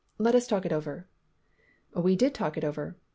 Let us talk it over." We did talk it over.